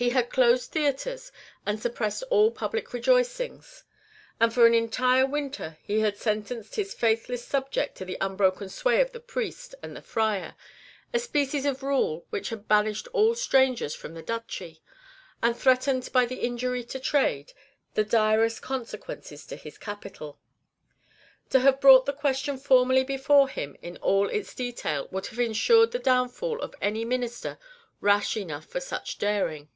He had closed theatres, and suppressed all public rejoicings; and for an entire winter he had sentenced his faithful subjects to the unbroken sway of the Priest and the Friar, a species of rule which had banished all strangers from the Duchy, and threatened, by the injury to trade, the direst consequences to his capital. To have brought the question formally before him in all its details would have ensured the downfall of any minister rash enough for such daring.